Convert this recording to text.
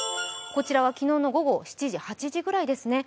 こちらは昨日の午後７時、８時ぐらいですね。